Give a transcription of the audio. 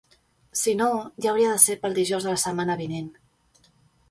Si no, ja hauria de ser pel dijous de la setmana vinent.